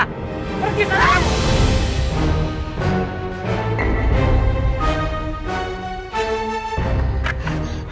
pergi sana kamu